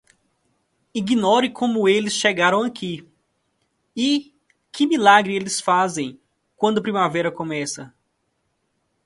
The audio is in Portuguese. Ignore como eles chegaram aqui e que milagre eles fazem quando a primavera começa.